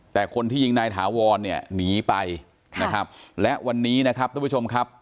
แต่คนที่ยิงนายถาวรเนี่ยหนีไปนะครับและวันนี้นะครับทุกผู้ชมครับ